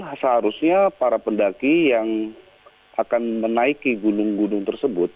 nah seharusnya para pendaki yang akan menaiki gunung gunung tersebut